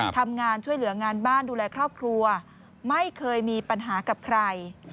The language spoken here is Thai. ทำงานช่วยเหลืองานบ้านดูแลครอบครัวไม่เคยมีปัญหากับใคร